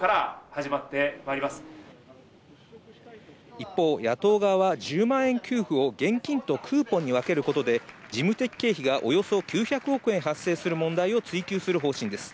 一方、野党側は１０万円給付を現金とクーポンに分けることで事務的経費がおよそ９００億円発生する問題を追及する方針です。